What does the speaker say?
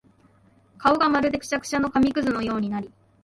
顔がまるでくしゃくしゃの紙屑のようになり、